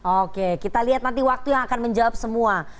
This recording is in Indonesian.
oke kita lihat nanti waktu yang akan menjawab semua